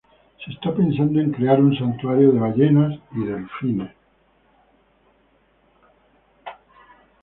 Se está pensando crear un santuario de ballenas y delfines.